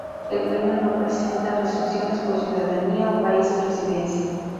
El premio no presenta restricciones por ciudadanía o país de residencia.